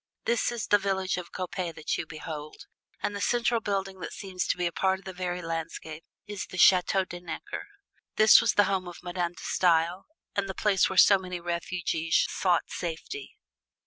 This is the village of Coppet that you behold, and the central building that seems to be a part of the very landscape is the Chateau De Necker. This was the home of Madame De Stael and the place where so many refugees sought safety.